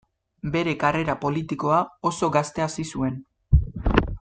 Bere karrera politikoa, oso gazte hasi zuen.